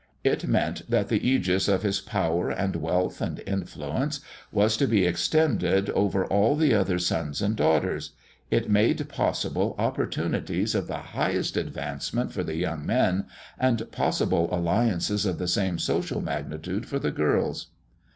It meant that the ægis of his power and wealth and influence was to be extended over all the other sons and daughters it made possible opportunities of the highest advancement for the young men, and possible alliances of the same social magnitude for the girls.